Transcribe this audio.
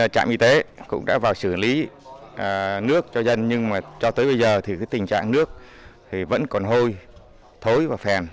trạm y tế cũng đã vào xử lý nước cho dân nhưng mà cho tới bây giờ thì tình trạng nước vẫn còn hôi thối và phèn